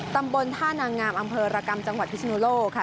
ตำบลท่านางงามอำเภอรกรรมจังหวัดพิศนุโลกค่ะ